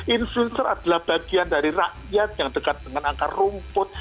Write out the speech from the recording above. influencer adalah bagian dari rakyat yang dekat dengan akar rumput